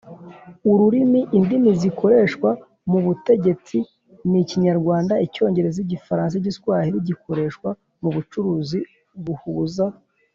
Ururimi indimi zikoreshwa mu butegetsi ni ikinyarwanda icyongereza n igifaransa igiswayire gikoreshwa mu bucuruzi buhuza